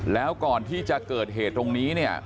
แล้วก่อนที่จะเกิดเหตุตรงนี้เนี่ย